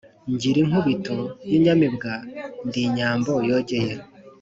Ngira inkubito y'inyamibwa ndi Nyambo yogeye